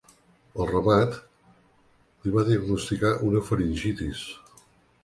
Al remat, li va diagnosticar una faringitis.